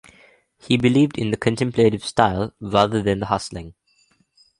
He believed in the contemplative style rather than the hustling.